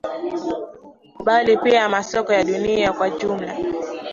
bali pia masoko ya dunia kwa ujumla